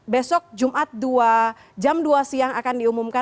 besok jumat jam dua siang akan diumumkan